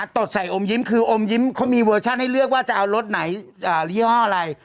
ตดใส่อมยิ้มคืออมยิ้มเขามีเวอร์ชั่นให้เลือกว่าจะเอารถไหนยี่ห้ออะไร